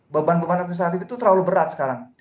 beban beban administratif itu terlalu berat sekarang